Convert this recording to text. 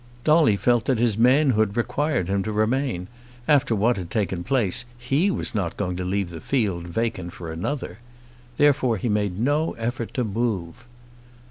Dolly felt that his manhood required him to remain. After what had taken place he was not going to leave the field vacant for another. Therefore he made no effort to move.